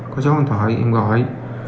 có số hòn thoại em gọi